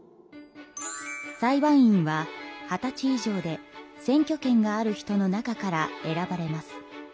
裁判員は二十歳以上で選挙権がある人の中から選ばれます。